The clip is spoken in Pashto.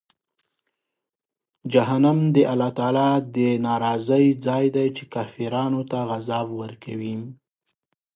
جهنم د الله تعالی د ناراضۍ ځای دی، چې کافرانو ته عذاب ورکوي.